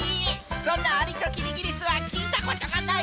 そんな「アリとキリギリス」はきいたことがない！